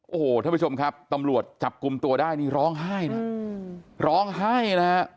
โอ้โหท่านผู้ชมครับตำรวจจับกลุ่มตัวได้นี่ร้องไห้นะร้องไห้นะฮะ